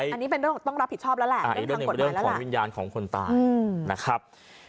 อันนี้เป็นเรื่องต้องรับผิดชอบแล้วแหละก็หลั่งกฎหมายเราก็เป็นเรื่องของวิญญาณของคนตายนะครับ